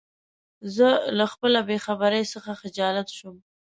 زه له خپله بېخبری څخه خجالت شوم.